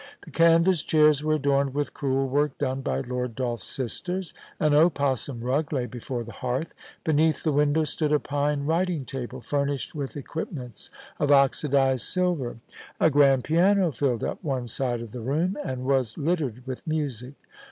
The canvas chairs were adorned with crewel work done by Lord Dolph's sisters. An opossum rug lay before the hearth. Beneath the window stood a pine WTiting table, furnished with equipments of oxidised silver. A grand piano filled up one side of the room, and was littered with music.